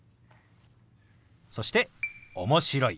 そして「面白い」。